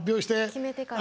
決めてから？